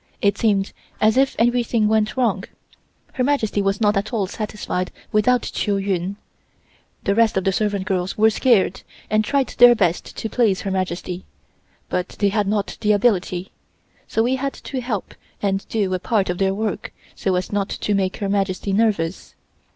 It seemed as if everything went wrong. Her Majesty was not at all satisfied without Chiu Yuen. The rest of the servant girls were scared, and tried their best to please Her Majesty, but they had not the ability, so we had to help and do a part of their work so as not to make Her Majesty nervous.